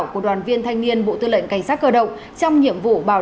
cọ và cầm bay